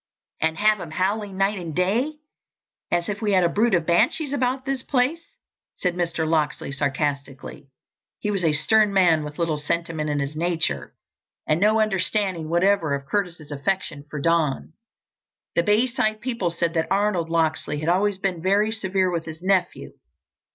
"And have him howling night and day as if we had a brood of banshees about the place?" said Mr. Locksley sarcastically. He was a stern man with little sentiment in his nature and no understanding whatever of Curtis's affection for Don. The Bayside people said that Arnold Locksley had always been very severe with his nephew.